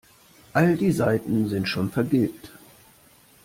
All die Seiten sind schon vergilbt.